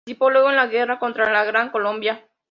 Participó luego en la guerra contra la Gran Colombia.